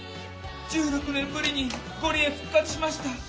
１６年ぶりにゴリエ復活しました。